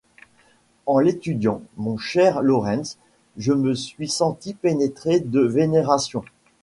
En l’étudiant, mon cher Lorentz, je me suis senti pénétré de vénération.